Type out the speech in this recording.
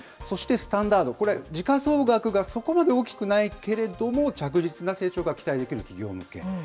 そしてスタンダード、これ、時価総額がそこまで大きくないけれども、着実な成長が期待できる企業向け。